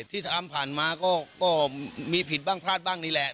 ที่ทำผ่านมาก็มีผิดบ้างพลาดบ้างนี่แหละ